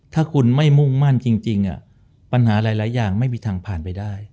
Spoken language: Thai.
ถ้าคุณไม่มุ่งมั่นจริงปัญหาหลายอย่างไม่มีทางผ่านไปได้